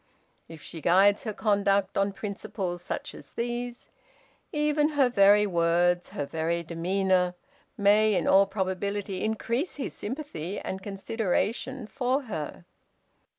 If she guides her conduct on principles such as these, even her very words, her very demeanor, may in all probability increase his sympathy and consideration for her.